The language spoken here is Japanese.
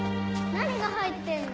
何が入ってるの？